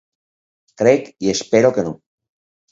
Crec i espero que no.